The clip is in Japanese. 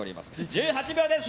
１８秒です。